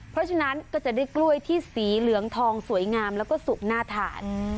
เพราะฉะนั้นก็จะได้กล้วยที่สีเหลืองทองสวยงามแล้วก็สุกน่าทาน